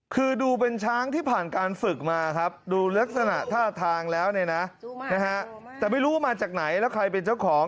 คือดูเป็นช้างที่ผ่านการฝึกมาครับดูลักษณะท่าทางแล้วเนี่ยนะแต่ไม่รู้ว่ามาจากไหนแล้วใครเป็นเจ้าของ